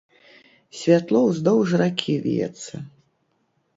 Святло ўздоўж ракі віецца.